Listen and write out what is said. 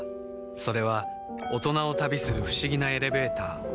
それは大人を旅する不思議なエレベーター